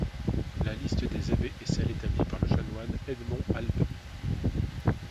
La liste des abbés est celle établie par le chanoine Edmond Albe.